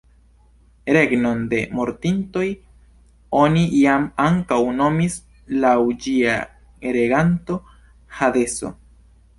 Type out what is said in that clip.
Regnon de mortintoj oni iam ankaŭ nomis laŭ ĝia reganto "hadeso".